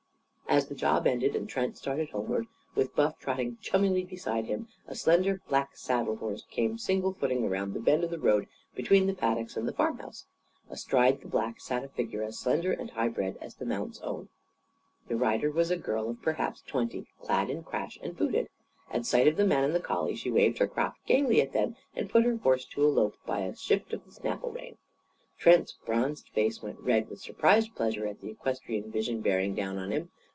As the job ended, and Trent started homeward, with Buff trotting chummily beside him, a slender black saddle horse came single footing around the bend of the road between the paddocks and the farmhouse. Astride the black, sat a figure as slender and highbred as the mount's own. The rider was a girl of perhaps twenty, clad in crash and booted. At sight of the man and the collie she waved her crop gaily at them, and put her horse to a lope by a shift of the snaffle rein. Trent's bronzed face went red with surprised pleasure at the equestrian vision bearing down on him.